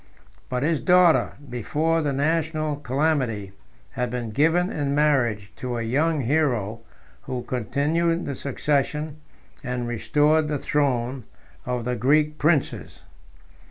But his daughter, before the national calamity, had been given in marriage to a young hero who continued the succession, and restored the throne, of the Greek princes.